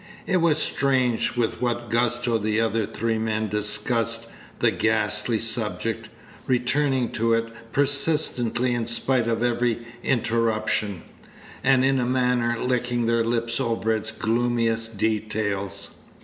It was strange with what gusto the other three men discussed the ghastly subject, returning to it persistently in spite of every interruption, and in a manner licking their lips over its gloomiest details.